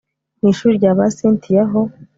mwishuri ryaba cyntia ho